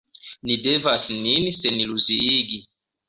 Ni devas nin seniluziigi.